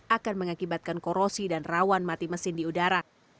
akan mengakibatkan korosi dan rawan mati mesin di udara